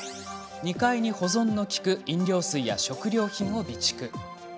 ２階に保存の利く飲料水や食料品を備蓄。